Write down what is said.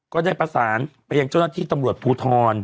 ก็ได้ประสานไปยังเจ้าหน้าที่ตำรวจภูทร